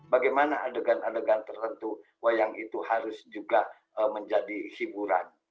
bagaimana adegan adegan tertentu wayang itu harus juga menjadi hiburan